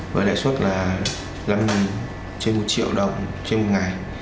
và đại xuất là năm trên một triệu đồng trên một ngày